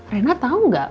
reina tau nggak